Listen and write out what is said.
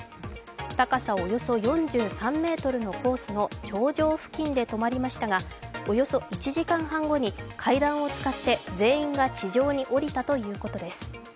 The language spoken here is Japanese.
高さおよそ４３ｍのコースの頂上付近で止まりましたがおよそ１時間半後に階段を使って全員が地上に降りたということです。